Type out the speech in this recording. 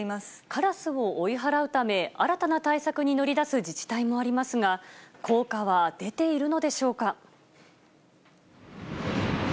カラスを追い払うため、新たな対策に乗り出す自治体もありますが、効果は出ているのでしょうか。